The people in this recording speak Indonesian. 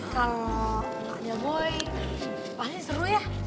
kalau gak ada boy pasti seru ya